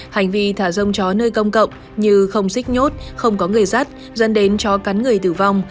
hành vi thả rông chó nơi công cộng như không xích nhốt không có người dắt dẫn đến chó cắn người tử vong